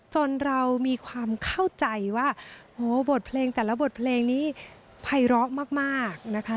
จนเรามีความเข้าใจว่าโหบทเพลงแต่ละบทเพลงนี้ภัยร้อมากนะคะ